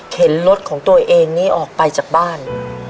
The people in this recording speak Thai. รถของตัวเองนี้ออกไปจากบ้าน